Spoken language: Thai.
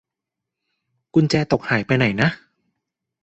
กุญแจตกหายไปไหนนะ